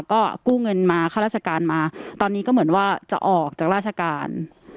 ก็กู้เงินมาข้าราชการมาตอนนี้ก็เหมือนว่าจะออกจากราชการ